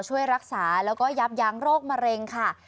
ช่วยรักษาแล้วก็ยับยั้งโรคมะเร็งค่ะ